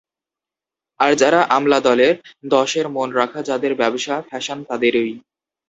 আর যারা আমলা-দলের, দশের মন রাখা যাদের ব্যাবসা, ফ্যাশান তাদেরই।